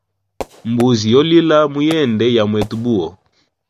Mbuzi yo lila muyende ya mwetu buwo.